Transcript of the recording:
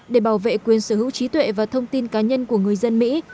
để bảo vệ quyền sở hữu trí tuệ và thông tin cá nhân của người dân mỹ